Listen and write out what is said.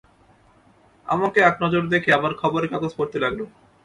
আমাকে একনজর দেখে আবার খবরের কাগজ পড়তে লাগল।